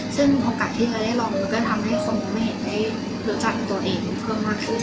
ซึ่งมีโอกาสที่จะได้ลองมันก็ทำให้คนเห็นได้รู้จักตัวเองเพิ่มมากขึ้น